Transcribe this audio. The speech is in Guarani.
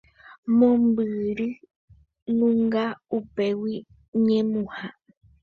Mombyrynunga upégui ñemuha.